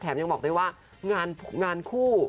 ยังบอกได้ว่างานคู่